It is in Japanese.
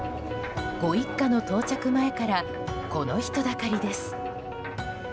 ご一家の到着前からこの人だかりです。